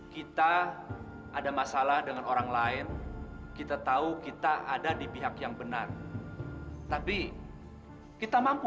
kita ada masalah dengan orang lain kita tahu kita ada di pihak yang benar tapi kita mampu